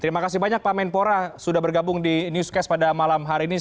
terima kasih banyak pak menpora sudah bergabung di newscast pada malam hari ini